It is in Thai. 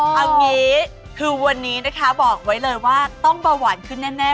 เอางี้คือวันนี้นะคะบอกไว้เลยว่าต้องเบาหวานขึ้นแน่